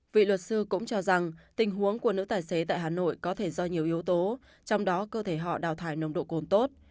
vị luật sư cũng cho rằng tình huống của nữ tài xế tại hà nội có thể do nhiều yếu tố trong đó cơ thể họ đào thải nồng độ cồn tốt